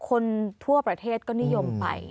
คนทั่วประเทศก็นิยมไป